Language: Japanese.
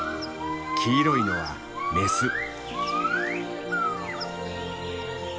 黄色いのはメス。